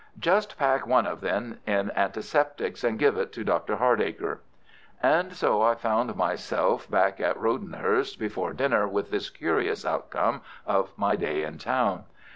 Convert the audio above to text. "Just pack one of them in antiseptics and give it to Dr. Hardacre." And so I found myself back at Rodenhurst before dinner with this curious outcome of my day in town.